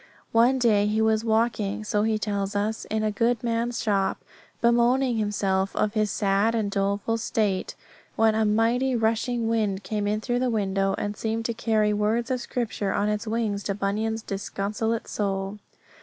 One day he was walking so he tells us in a good man's shop, bemoaning himself of his sad and doleful state when a mighty rushing wind came in through the window and seemed to carry words of Scripture on its wings to Bunyan's disconsolate soul.